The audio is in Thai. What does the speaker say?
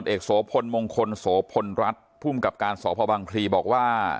โสพลมงคลโสพลรัฐภูมิกับการสพบังพลีบอกว่า